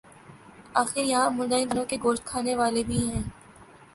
آخر یہاں مردہ انسانوں کے گوشت کھانے والے بھی ہیں۔